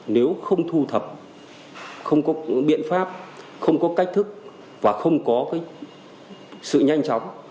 nếu không thu thập không có biện pháp không có cách thức và không có sự nhanh chóng